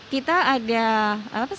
kita ada apa seleksi di indonesia